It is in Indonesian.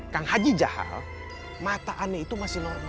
kang haji jahal mata aneh itu masih normal